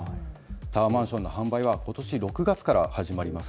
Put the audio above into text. タワーマンションの販売はことし６月から始まります。